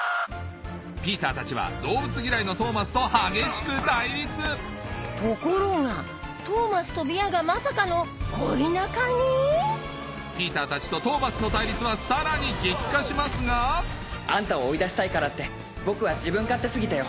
ピーターたちは動物嫌いのトーマスと激しく対立ところがピーターたちとトーマスの対立はさらに激化しますがあんたを追い出したいからって僕は自分勝手過ぎたよ。